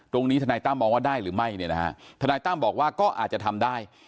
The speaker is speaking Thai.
ทนายตั้มมองว่าได้หรือไม่เนี่ยนะฮะทนายตั้มบอกว่าก็อาจจะทำได้